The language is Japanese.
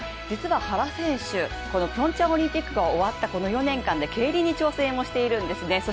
実は原選手、ピョンチャンオリンピックが終わったこの４年間で競輪に挑戦をしているんですね。